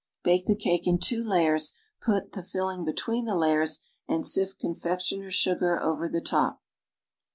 Rake the cake in two layers; put the filling between the layers and sift confectioner's sugar over the top.